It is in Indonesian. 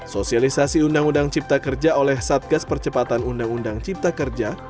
sosialisasi undang undang cipta kerja oleh satgas percepatan undang undang cipta kerja